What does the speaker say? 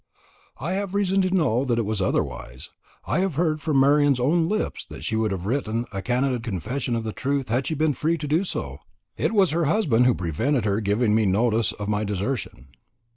"I have reason to know that it was otherwise. I have heard from Marian's own lips that she would have written a candid confession of the truth had she been free to do so. It was her husband who prevented her giving me notice of my desertion."